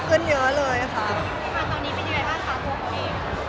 คุณคุณคุณค่ะตอนนี้เป็นยังไงบ้างคะพวกคุณเอง